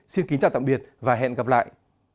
xin kính chào tạm biệt và hẹn gặp lại